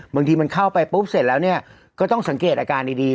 บางทีมันเข้าไปปุ๊บเสร็จแล้วเนี่ยก็ต้องสังเกตอาการดี